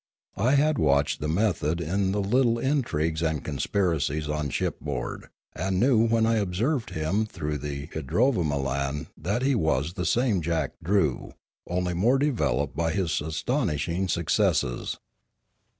I had watched the method in the little intrigues and conspiracies on ship board, and I knew when I observed him through the idrovamolan that he was the same Jock Drew, only more developed by his astonishing successes.